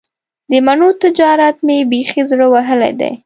د مڼو تجارت مې بیخي زړه وهلی دی.